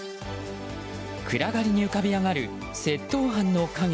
暗がりに浮かび上がる窃盗犯の影。